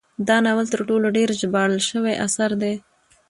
دا ناول تر ټولو ډیر ژباړل شوی اثر دی.